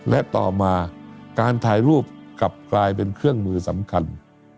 และต่อมาการถ่ายรูปกลับกลายเป็นเครื่องมือสำคัญ